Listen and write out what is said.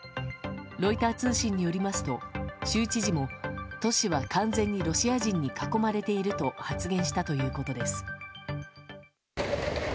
ロイター通信によりますと州知事も都市は、完全にロシア人に囲まれていると発言したということです。